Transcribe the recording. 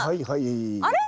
あれ？